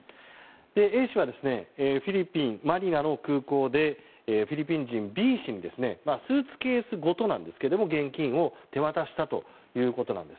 Ａ氏はフィリピン・マニラの空港でフィリピン人のＢ氏にスーツケースごと現金を手渡したということです。